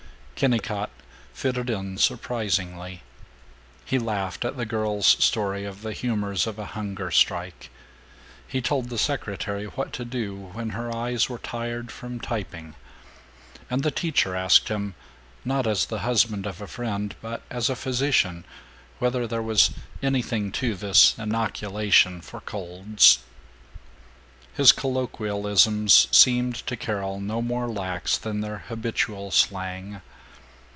Kennicott fitted in surprisingly. He laughed at the girl's story of the humors of a hunger strike; he told the secretary what to do when her eyes were tired from typing; and the teacher asked him not as the husband of a friend but as a physician whether there was "anything to this inoculation for colds." His colloquialisms seemed to Carol no more lax than their habitual slang.